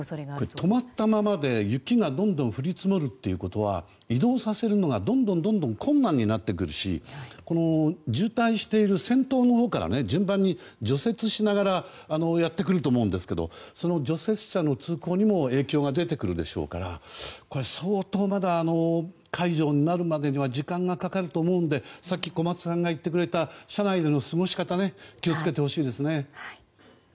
止まったままで雪がどんどん降り積もるということは移動させるのがどんどん困難になってくるし渋滞している先頭のほうから順番に除雪しながらやってくると思うんですけどその除雪車の通行にも影響が出てくるでしょうからこれは相当まだ解除になるまでには時間がかかると思うのでさっき小松さんが言ってくれた車内での過ごし方に気を付けてほしいですね。